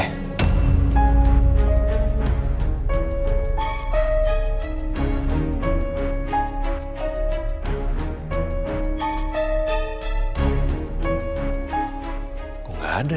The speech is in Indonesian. aku gak ada